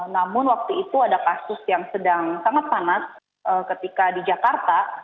namun waktu itu ada kasus yang sedang sangat panas ketika di jakarta